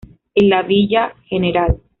En la Villa gral.